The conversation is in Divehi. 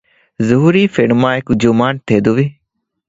ޒުހުރީ ފެނުމާއެކު ޖުމާން ތެދުވި